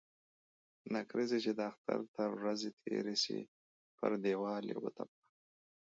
نکريزي چې د اختر تر ورځي تيري سي ، پر ديوال يې و ترپه.